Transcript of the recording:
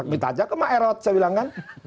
minta aja kemaerot saya bilang kan